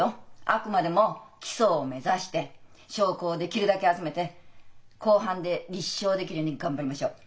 あくまでも起訴を目指して証拠をできるだけ集めて公判で立証できるように頑張りましょう。